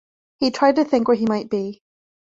He tried to think where he might be.